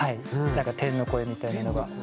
なんか天の声みたいなのが。